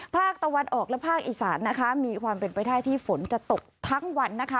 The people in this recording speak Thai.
ภาคตะวันออกและภาคอีสานนะคะมีความเป็นไปได้ที่ฝนจะตกทั้งวันนะคะ